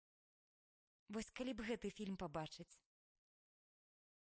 Вось каб калі гэты фільм пабачыць?!